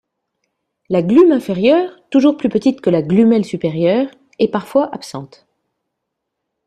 La glume inférieure, toujours plus petite que la glumelle supérieure, est parfois absente.